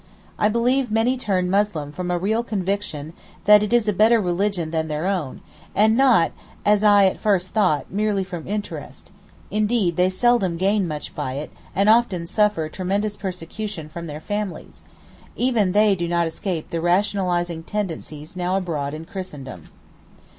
I believe many turn Muslim from a real conviction that it is a better religion than their own, and not as I at first thought merely from interest; indeed, they seldom gain much by it, and often suffer tremendous persecution from their families; even they do not escape the rationalizing tendencies now abroad in Christendom.